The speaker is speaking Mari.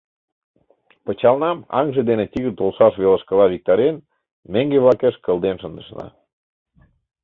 Пычалнам, аҥже дене тигр толшаш велышкыла виктарен, меҥге-влакеш кылден шындышна.